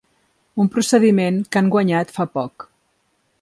Un procediment que han guanyat fa poc.